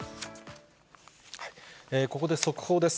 ここで速報です。